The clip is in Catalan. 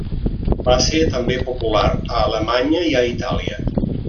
Va ser també popular a Alemanya i a Itàlia.